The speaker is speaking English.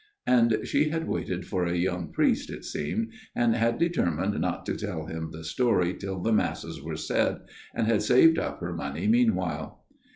" And she had waited for a young priest, it seemed, and had determined nbrto tell him the story till the Masses were said, and had saved up her money meanwhile.